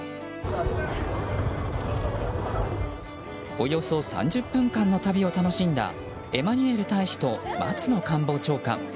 およそ３０分間の旅を楽しんだエマニュエル大使と松野官房長官。